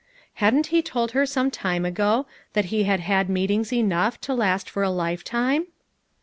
Hadn't lie told her some time ago that lie had had meetings enough to last for a lifetime?